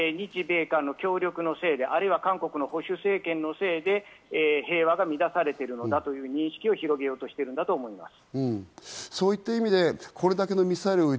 考えていることは北朝鮮はこれによって日米韓の協力のせいで、あるいは韓国の保守政権のせいで平和が乱されているのだという認識を広げようとしているんだと思います。